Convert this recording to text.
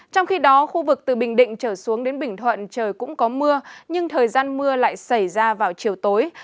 trong khi đó khu vực từ bình định trở xuống đến bình thuận trời cũng có mưa nhưng thời gian mưa lại xảy ra vào chiều tối